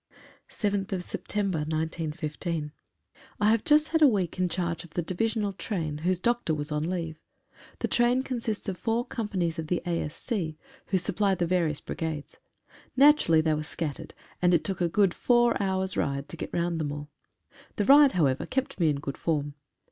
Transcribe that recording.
«■ B <» 7/9/15. 3 HAVE just had a week in charge of the Divisional Train, whose doctor was on leave. The train consists of four companies of the A.S.C., who supply the various brigades. Naturally they were scat tered, and it took a good four hours ride to get round them all. The ride, however, kept me in good form.